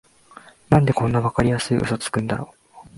なんでこんなわかりやすいウソつくんだろ